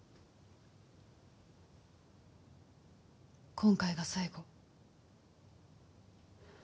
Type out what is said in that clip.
今回が最後。